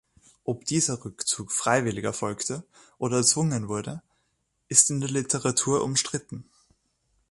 Ob dieser Rückzug freiwillig erfolgte oder erzwungen wurde, ist in der Literatur umstritten.